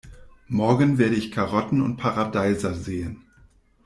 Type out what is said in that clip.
Morgen werde ich Karotten und Paradeiser säen.